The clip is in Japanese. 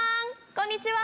こんにちは！